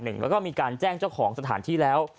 แล้วก็มีการแจ้งเจ้าของสถานที่แล้ว